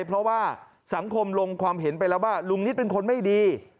เพราะว่าสังคมลงความเห็นไปแล้วว่าลุงนิดเป็นคนไม่ดี